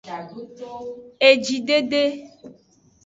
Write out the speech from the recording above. Ejidede.